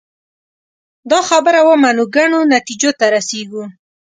دا خبره ومنو ګڼو نتیجو ته رسېږو